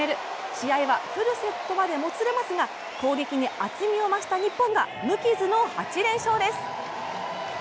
試合はフルセットまでもつれますが攻撃に厚みを増した日本が無疵の８連勝です。